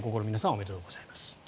おめでとうございます。